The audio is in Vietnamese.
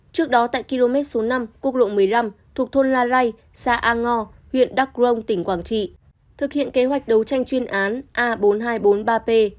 trước đó tại km số năm quốc lộ một mươi năm thuộc thôn la ray xã a ngo huyện đắk rông tỉnh quảng trị thực hiện kế hoạch đấu tranh chuyên án a bốn nghìn hai trăm bốn mươi ba p